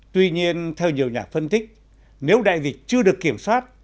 tuy nhiên theo nhiều nhà phân tích nếu đại dịch chưa được kiểm soát